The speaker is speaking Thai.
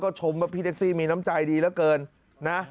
ชมว่าพี่แท็กซี่มีน้ำใจดีเหลือเกินนะ